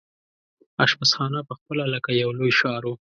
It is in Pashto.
اشپزخانه پخپله لکه یو لوی ښار وو.